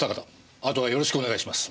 あとはよろしくお願いします。